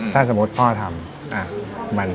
ถ้าสมมติพ่อทำ